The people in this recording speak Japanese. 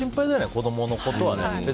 子供のことはね。